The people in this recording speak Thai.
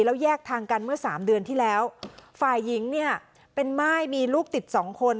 แล้วแยกทางกันเมื่อสามเดือนที่แล้วฝ่ายหญิงเนี่ยเป็นม่ายมีลูกติดสองคน